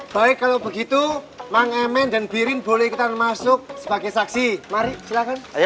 baik kalau begitu mangemen dan birin boleh kita masuk sebagai saksi mari silakan ayo